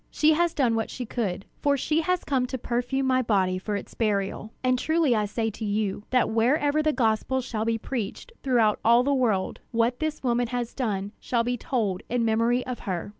She has done what she could; for she has come to perfume my body for its burial. And truly I say to you, that wherever the gospel shall be preached throughout all the world, what this woman has done shall be told in memory of her."